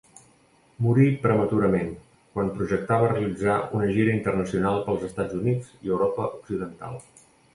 Morí prematurament, quan projectava realitzar una gira internacional pels Estats Units i Europa Occidental.